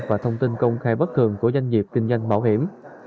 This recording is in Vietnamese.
và thông tin công khai bất thường của doanh nghiệp kinh doanh bảo hiểm